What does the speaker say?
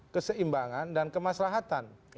keseimbangan dan kemaslahatan